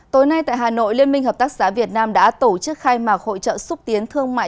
tối nay tại hà nội liên minh hợp tác xã việt nam đã tổ chức khai mạc hội trợ xúc tiến thương mại